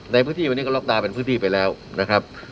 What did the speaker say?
ในพื้นที่วันนี้ก็ล็อกดาวนเป็นพื้นที่ไปแล้วนะครับ